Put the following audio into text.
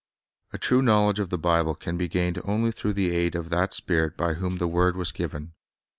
A true knowledge of the Bible can be gained only through the aid of that Spirit by whom the word was given.